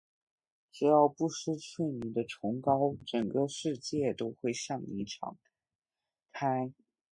只要不失去你的崇高，整个世界都会向你敞开。